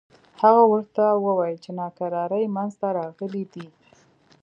هغه ورته وویل چې ناکراری منځته راغلي دي.